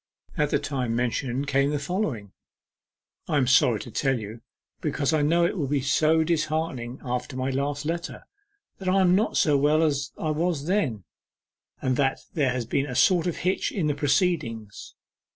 At the time mentioned came the following: 'I am sorry to tell you, because I know it will be so disheartening after my last letter, that I am not so well as I was then, and that there has been a sort of hitch in the proceedings.